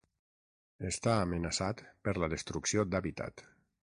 Està amenaçat per la destrucció d'hàbitat.